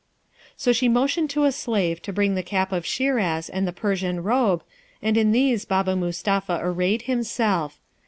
So she motioned to a slave to bring the cap of Shiraz and the Persian robe, and in these Baba Mustapha arrayed himself.